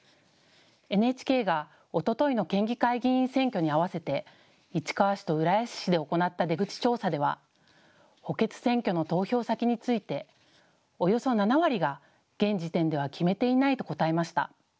ＮＨＫがおとといの県議会議員選挙に合わせて市川市と浦安市で行った出口調査では補欠選挙の投票先についておよそ７割が現時点では決めていないと答えました。